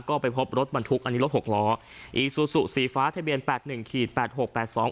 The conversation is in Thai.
ก็ไปพบรถบรรทุกอันนี้รถหกล้ออีซูซูสีฟ้าทะเบียนแปดหนึ่งขีดแปดหกแปดสอง